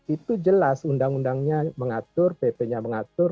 itu jelas undang undangnya mengatur pp nya mengatur